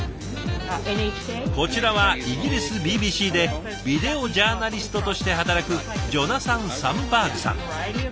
こちらはイギリスＢＢＣでビデオジャーナリストとして働くジョナサン・サムバーグさん。